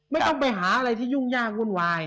ไม่ต้องไปหาอะไรที่ยุ่งยากวุ่นวาย